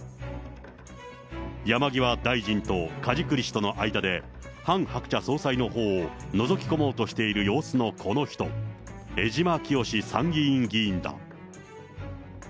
山際大臣と梶栗氏との間で、ハン・ハクチャ総裁のほうをのぞき込もうとしている様子のこの人、江島潔参議院議員だ。